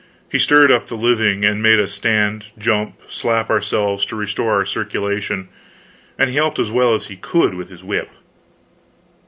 He stirred up the living, and made us stand, jump, slap ourselves, to restore our circulation, and he helped as well as he could with his whip.